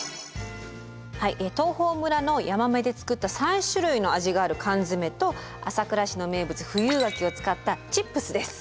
はい東峰村のヤマメで作った３種類の味がある缶詰と朝倉市の名物富有柿を使ったチップスです。